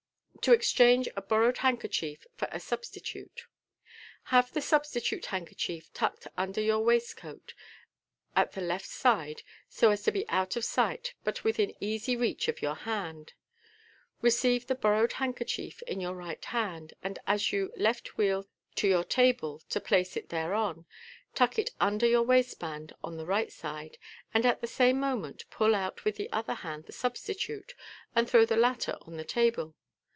To EXCHANOB A BORROWBD HANDKERCHIEF FOR A SUBSTI TUTE.—Have the substitute handkerchief tucked under your waist coat, at the left side, so as to be out of sight, but within easy reach of your hand. Receive the borrowed handkerchief in your right hand, and as you ' left wh^el ' to your table to place it thereon, tuck it under your waistband on the right side, and at the same moment pull out with the other hand the substitute, and throw the latter on the table.